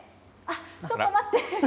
あっ、ちょっと待って。